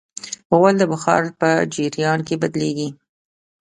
غول د بخار په جریان کې بدلېږي.